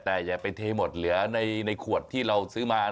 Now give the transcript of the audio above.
แต่อย่าไปเทหมดเหลือในขวดที่เราซื้อมา